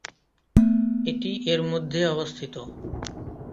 এটি এর মধ্যে অবস্থিত।